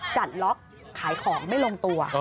กัดร็อคฉายของไม่ลงตัว